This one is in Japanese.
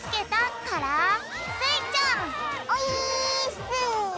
オィーッス！